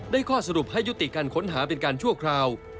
ข้อสรุปให้ยุติการค้นหาเป็นการชั่วคราว